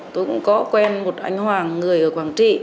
tôi cũng có quen một anh hoàng người ở quảng trị